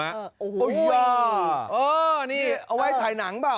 นี่เอาไว้ถ่ายหนังเปล่า